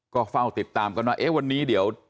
ก็เฝ้าติดตามกันว่าเอ๊ะวันนี้เดี๋ยว